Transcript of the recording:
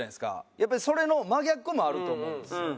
やっぱりそれの真逆もあると思うんですけど。